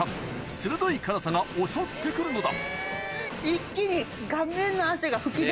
鋭い辛さが襲ってくるのだ一気に。